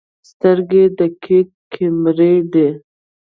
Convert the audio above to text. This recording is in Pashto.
سترګې دقیق کیمرې دي.